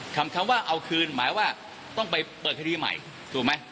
คำคำว่าเอาคืนหมายว่าต้องไปเปิดคดีใหม่